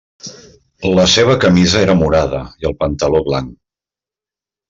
La seva camisa era morada i el pantaló blanc.